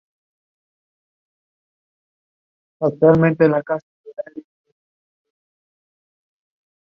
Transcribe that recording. Es amistosa y descuidada.